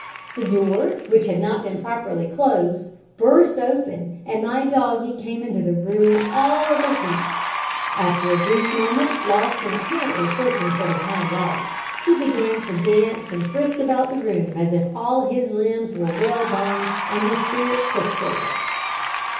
The door, which had not been properly closed, burst open, and my doggie came into the room all of a heap. After a brief moment lost in apparently searching for his hind legs, he began to dance and frisk about the room as if all his limbs were whalebone and his spirit quicksilver.